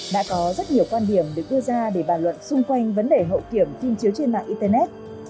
đã có rất nhiều quan điểm được đưa ra để bàn luận xung quanh vấn đề hậu kiểm kim chiếu trên mạng internet